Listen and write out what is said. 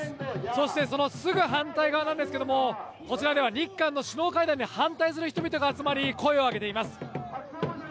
そしてそのすぐ反対側なんですけども、こちらでは、日韓の首脳会談に反対する人々が集まり、声を上げています。